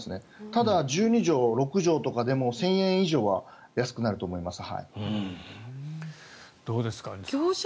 ただ、１２畳、６畳とかでも１０００円以上は安くなると思います。